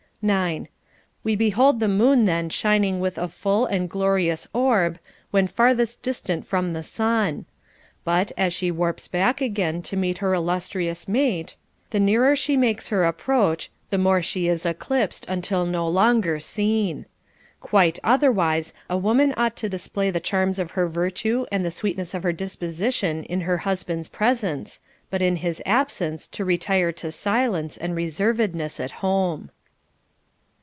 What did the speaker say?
9. We behold the moon then shining with a full and glorious orb, when farthest distant from the sun ; but, as she warps back again to meet her illustrious mate, the nearer she makes her approach, the more she is eclipsed until no longer seen. Quite otherwise, a woman ought to display the charms of her virtue and the sweetness of her disposition in her husband's presence, but in his absence to retire to silence and reservedness at home.